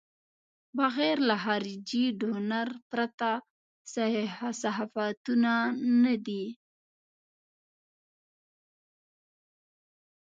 بغیر له خارجي ډونر پرته صحافتونه نه دي.